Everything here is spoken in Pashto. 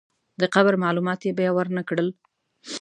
د قبر معلومات یې بیا ورنکړل.